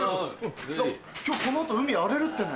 今日この後海荒れるってね。